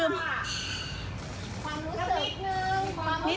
นิดหนึ่งค่ะคุณนายก